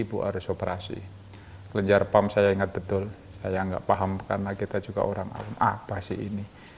buah resoperasi lenjar pump saya ingat betul saya nggak paham karena kita juga orang apa sih ini